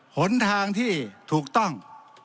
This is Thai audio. หนทางที่ถูกต้อง